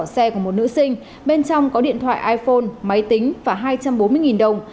xe của một nữ sinh bên trong có điện thoại iphone máy tính và hai trăm bốn mươi đồng